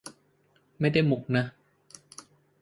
ไม่ได้มุขนะ